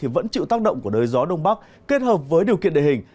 vẫn chịu tác động của đới gió đông bắc kết hợp với điều kiện địa hình